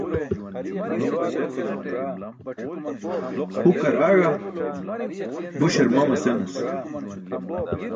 Hukar aẏa, buśar mama senas.